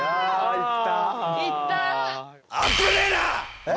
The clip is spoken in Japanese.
行った。